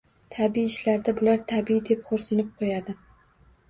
Tabiiy ishlar-da bular, tabiiy! – deb xoʻrsinib qoʻyadi.